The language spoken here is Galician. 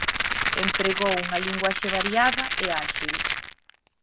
Empregou unha linguaxe variada e áxil.